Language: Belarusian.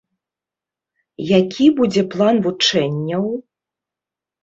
Які будзе план вучэнняў?